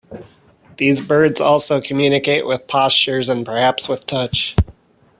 These birds also communicate with postures and perhaps with touch.